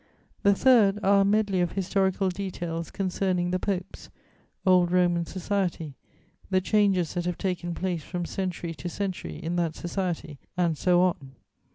The third are a medley of historical details concerning the popes, old Roman society, the changes that have taken place from century to century in that society, and so on.